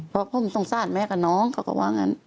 เพราะผมสงสารแม่กับน้องเขาก็ว่างั้น